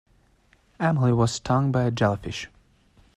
Emily was stung by a jellyfish.